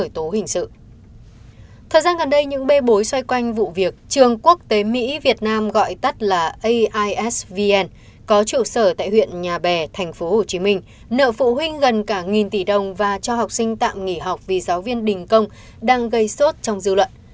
trường quốc tế mỹ việt nam gọi tắt là aisvn có trụ sở tại huyện nhà bè tp hcm nợ phụ huynh gần cả nghìn tỷ đồng và cho học sinh tạm nghỉ học vì giáo viên đình công đang gây suốt trong dư luận